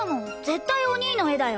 絶対お兄の絵だよ！